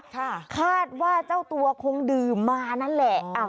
คาดว่าเจ้าตัวคงดื่มมานั่นแหละ